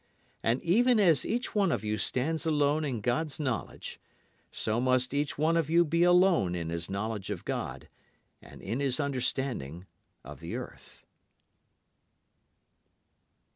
And even as each one of you stands alone in God's knowledge, so must each one of you be alone in his knowledge of God and in his understanding of the earth.